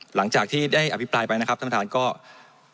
หลังจากที่ได้อภิปรายไปนะครับท่านประธานก็